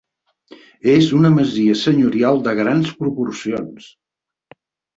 És una masia senyorial de grans proporcions.